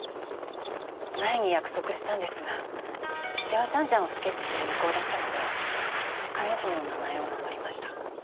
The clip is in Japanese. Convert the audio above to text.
前に約束したんですが出羽三山をスケッチする旅行だったので彼女の名前を名乗りました。